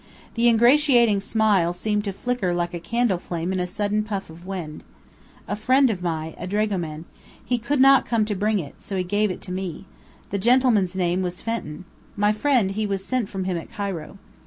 The ingratiating smile seemed to flicker like a candle flame in a sudden puff of wind. "A friend of my, a dragoman. He could not come to bring it. So he give it to me. The gentleman's name was Fenton. My friend, he was sent from him at Cairo."